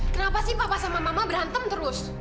kenapa sih papa sama mama berantem terus